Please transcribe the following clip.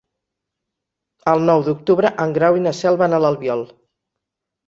El nou d'octubre en Grau i na Cel van a l'Albiol.